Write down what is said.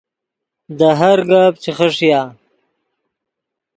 دے ہر گپ چے خݰیا